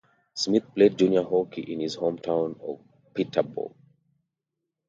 Smith played junior hockey in his home town of Peterborough.